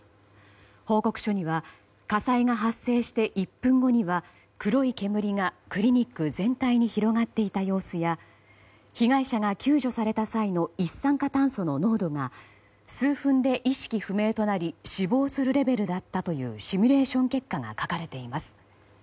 報告書には火災が発生して１分後には黒い煙がクリニック全体に広がっていた様子や被害者が救助された際の一酸化炭素の濃度が数分で意識不明となり死亡するレベルだったというシミュレーション結果が書かれています。